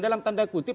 dalam tanda kutip